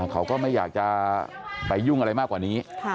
เขาก็ไม่อยากจะไปยุ่งอะไรมากกว่านี้